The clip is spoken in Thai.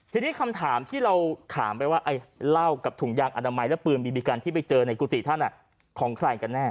ทีนี้คำถามที่เราถามไปว่าไอ้เหล้ากับถุงยางอนามัยและปืนบีบีกันที่ไปเจอในกุฏิท่านของใครกันแน่